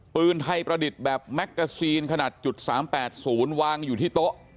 ปืนไทยประดิษฐ์แบบแมกกาซีนขนาด๓๘๐วางอยู่ที่โต๊ะ